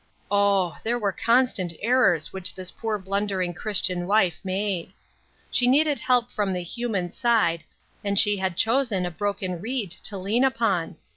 Oh ! there were constant errors which this poor blundering Christian wife made. She needed help from the human side, and she had chosen a broken reed to lean upon.